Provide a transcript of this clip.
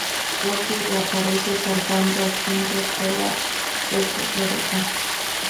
Rocky reaparece salvando a Ginger de la Sra.